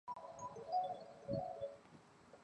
科纳布鲁克是加拿大纽芬兰岛西岸的一座城市。